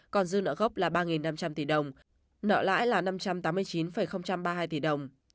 còn dư nợ gốc là ba năm trăm linh tỷ đồng nợ lãi là năm trăm tám mươi chín ba mươi hai tỷ đồng